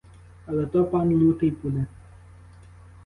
Але то пан лютий буде!